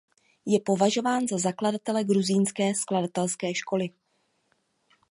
Je považován za zakladatele gruzínské skladatelské školy.